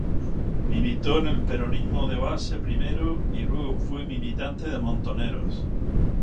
Militó en el Peronismo de Base primero y luego fue militante de Montoneros.